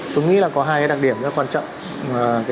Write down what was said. tôi nghĩ là có hai cái đặc điểm rất quan trọng